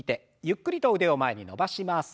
ゆっくりと腕を前に伸ばします。